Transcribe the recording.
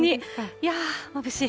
いやー、まぶしい。